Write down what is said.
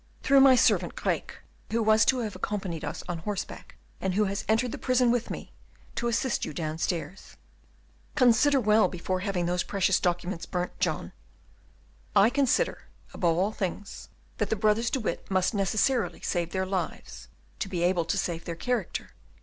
"Through my servant Craeke, who was to have accompanied us on horseback, and who has entered the prison with me, to assist you downstairs." "Consider well before having those precious documents burnt, John!" "I consider, above all things, that the brothers De Witt must necessarily save their lives, to be able to save their character.